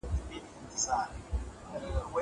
زه به سبا سړو ته خواړه ورکوم!!